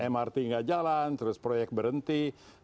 mrt nggak jalan terus proyek berhenti